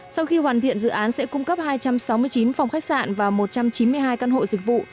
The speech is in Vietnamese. sau khi hoàn thiện dự án sẽ cung cấp hai trăm sáu mươi chín phòng khách sạn và một trăm chín mươi hai căn hộ dịch vụ